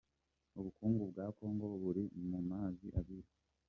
"Ubukungu bwa Kongo buri mu mazi abira.